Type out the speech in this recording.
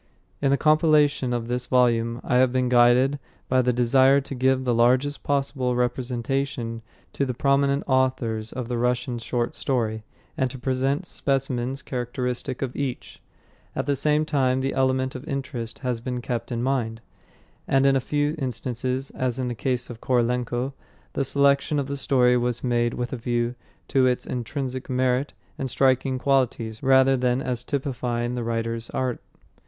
In the compilation of this volume I have been guided by the desire to give the largest possible representation to the prominent authors of the Russian short story, and to present specimens characteristic of each. At the same time the element of interest has been kept in mind; and in a few instances, as in the case of Korolenko, the selection of the story was made with a view to its intrinsic merit and striking qualities rather than as typifying the writer's art.